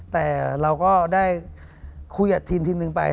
แต่เราก็ได้คุยกับทีมหนึ่งไป